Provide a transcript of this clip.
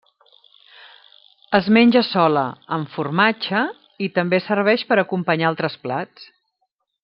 Es menja sola, amb formatge, i també serveix per acompanyar altres plats.